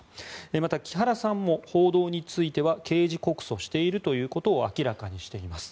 また、木原さんも報道については刑事告訴しているということを明らかにしています。